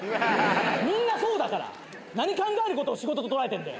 みんなそうだから。何考える事を仕事と捉えてるんだよ。